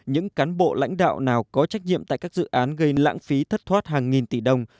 những cán bộ lãnh đạo nào có trách nhiệm tại các dự án gây lãng phí thất thoát hàng nghìn tỷ đồng